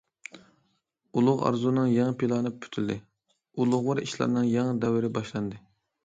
ئۇلۇغ ئارزۇنىڭ يېڭى پىلانى پۈتۈلدى، ئۇلۇغۋار ئىشلارنىڭ يېڭى دەۋرى باشلاندى.